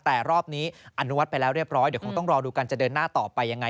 แต่รอบนี้อนุมัติไปแล้วเรียบร้อยเดี๋ยวคงต้องรอดูกันจะเดินหน้าต่อไปยังไง